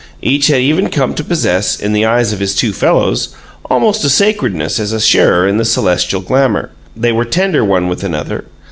Each had even come to possess, in the eyes of his two fellows, almost a sacredness as a sharer in the celestial glamor; they were tender one with another.